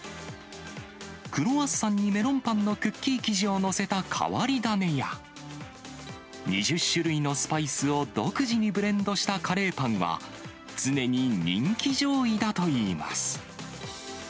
クロワッサンにメロンパンのクッキー生地を載せた変わり種や、２０種類のスパイスを独自にブレンドしたカレーパンは、常に人気上位だといいます。